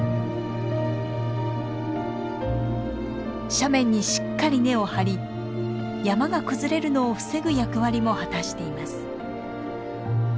斜面にしっかり根を張り山が崩れるのを防ぐ役割も果たしています。